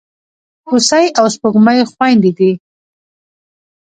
هوسۍ او سپوږمۍ خوېندي دي.